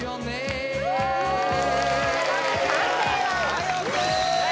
はいＯＫ